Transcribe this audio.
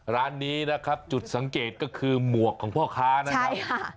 ร้านนี้นะครับจุดสังเกตก็คือหมวกของพ่อค้านะครับ